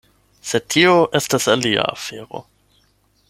Sed tio estas alia afero.